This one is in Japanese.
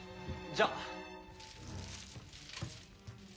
じゃあ。